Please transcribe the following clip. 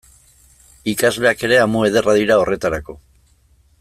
Ikasleak ere amu ederra dira horretarako.